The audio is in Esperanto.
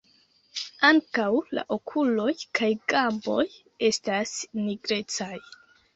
Ankaŭ la okuloj kaj gamboj estas nigrecaj.